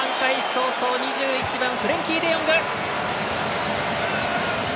早々２１番、フレンキー・デヨング。